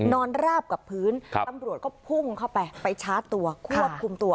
ราบกับพื้นตำรวจก็พุ่งเข้าไปไปชาร์จตัวควบคุมตัว